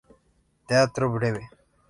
Teatro Breve